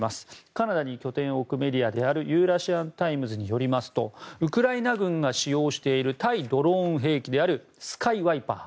カナダに拠点を置くメディアであるユーラシアン・タイムズによりますとウクライナ軍が使用している対ドローン兵器であるスカイワイパー。